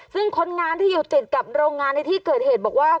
ซึ่งคนงานที่อยู่ติดกับโรงงานในที่เกิดเหตุบอกว่า